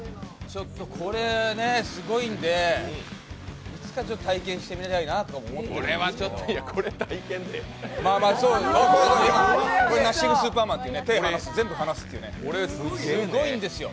ちょっとこれすごいんで、いつか体験してみたいなと思ってるんですよ。